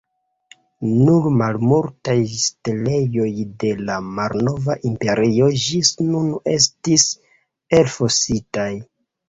Nur malmultaj setlejoj de la Malnova Imperio ĝis nun estis elfositaj.